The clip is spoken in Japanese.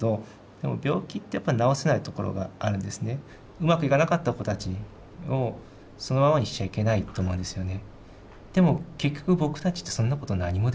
うまくいかなかった子たちをそのままにしちゃいけないと思うんですよね。